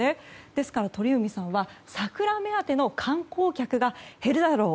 ですから鳥海さんは桜目当ての観光客が減るだろう。